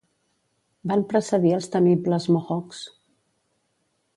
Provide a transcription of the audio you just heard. Van precedir els temibles Mohocks.